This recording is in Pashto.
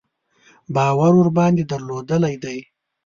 باور ورباندې درلودلی دی.